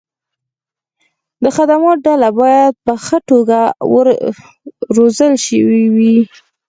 د خدماتو ډله باید په ښه توګه روزل شوې وي.